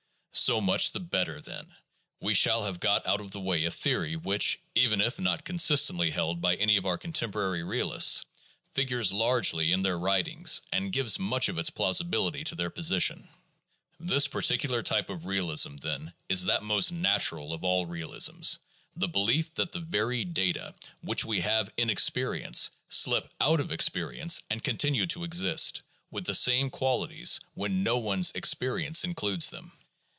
So much the better, then ; we shall have got out of the way a theory which, even if not consistently held by any of our contemporary realists, figures largely in their writings and gives much of its plausibility to their position. This particular type of realism, then, is that most "natural" of all realisms, the belief that the very data which we have in experience slip out of experience and continue to exist, with the same qualities, when no one's experience includes them.